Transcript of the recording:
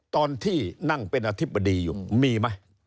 ตอนที่นั่งเป็นอธิบดีอยู่มีไหม